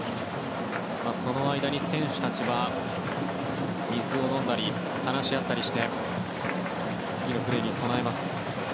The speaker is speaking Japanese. その間に選手たちは水を飲んだり話し合ったりして次のプレーに備えます。